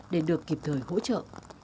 để được kịp thời hỗ trợ